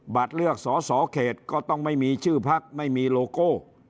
เลือกสอสอเขตก็ต้องไม่มีชื่อพักไม่มีโลโก้